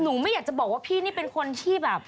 ไม่อยากจะบอกว่าพี่นี่เป็นคนที่แบบ